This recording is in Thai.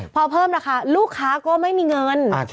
พอเพิ่มราคาลูกค้าก็ไม่มีเงิน